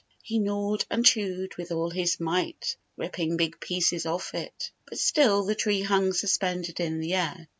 He gnawed and chewed with all his might, ripping big pieces off it. But still the tree hung suspended in the air.